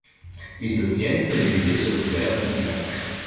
Ils obtiennent que les musées soient ouverts le dimanche.